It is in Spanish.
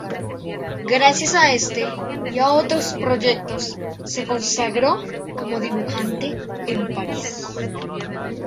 Gracias a este y a otros proyectos se consagró como dibujante en París.